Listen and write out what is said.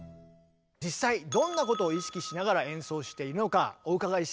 実際どんなことを意識しながら演奏しているのかお伺いしてみましょう。